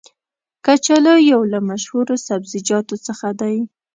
کچالو یو له مشهورو سبزیجاتو څخه دی.